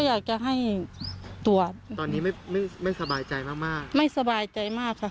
อยากจะให้ตรวจตอนนี้ไม่ไม่สบายใจมากมากไม่สบายใจมากค่ะ